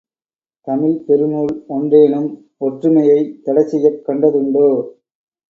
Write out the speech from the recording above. தமிழ்ப்பெருநூல் ஒன்றேனும் ஒற்றுமையைத் தடைசெய்யக் கண்ட துண்டோ?